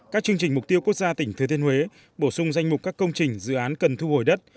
các chương trình mục tiêu quốc gia tỉnh thừa thiên huế bổ sung danh mục các công trình dự án cần thu hồi đất